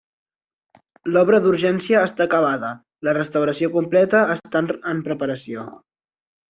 L'obra d'urgència està acabada, la restauració completa està en preparació.